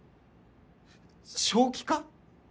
正気か？